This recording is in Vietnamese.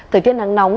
thời tiết nắng nóng